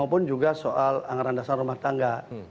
maupun juga soal anggaran dasar rumah tangga